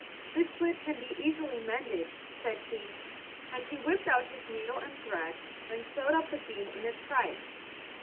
"This slit can be easily mended," said he, and he whipped out his needle and thread and sewed up the bean in a trice.